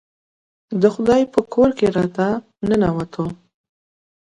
د خدای په کور کې راته ننوتو.